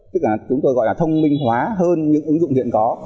tức là chúng tôi gọi là thông minh hóa hơn những ứng dụng hiện có